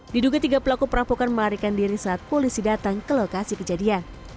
diduga tiga pelaku perampokan melarikan diri saat polisi datang ke lokasi kejadian